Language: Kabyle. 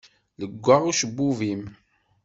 Leggaɣ ucebbub-im.